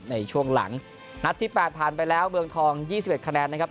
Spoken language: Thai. ในช่วงหลังนัดที่๘ผ่านไปแล้วเมืองทอง๒๑คะแนนนะครับ